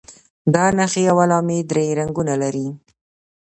دا نښې او علامې درې رنګونه لري.